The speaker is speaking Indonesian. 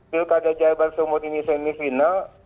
pilkada jaya barso morini semifinal